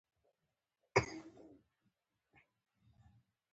مخاطب ورته ویلي و زما نوم سیف الرحمن دی.